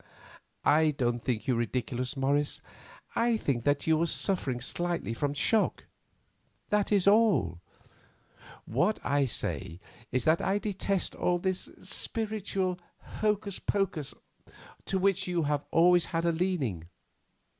"I don't think you ridiculous, Morris; I think that you are suffering slightly from shock, that is all. What I say is that I detest all this spiritual hocus pocus to which you have always had a leaning.